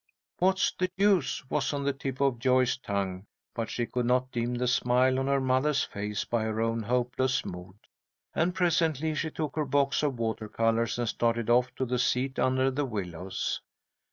"What's the use," was on the tip of Joyce's tongue, but she could not dim the smile on her mother's face by her own hopeless mood, and presently she took her box of water colours and started off to the seat under the willows.